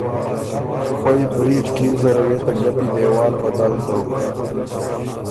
خوئ برید کیل زره وې ته ګپی دېوال بدل دوک